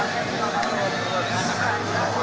kita akan menikmati